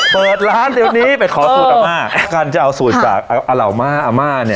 เปิดร้านเดี๋ยวนี้ไปขอสูตรอาม่าการจะเอาสูตรจากอเหล่าม่าอาม่าเนี่ย